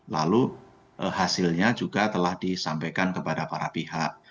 lalu hasilnya juga telah disampaikan kepada para pihak